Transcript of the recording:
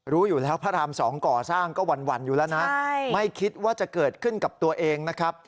รู้อยู่แล้วพระราม๒ก่อสร้างก็หวั่นอยู่แล้วนะไม่คิดว่าจะเกิดขึ้นกับตัวเองนะครับ